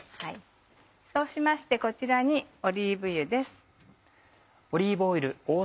そうしましてこちらにオリーブ油です。